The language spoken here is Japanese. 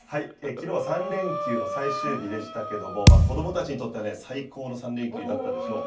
きのうは３連休の最終日でしたけれども、子どもたちにとっては最高の３連休だったでしょう。